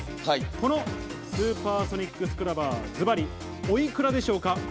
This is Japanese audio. このスーパーソニックスクラバー、ずばり、おいくらでしょうか？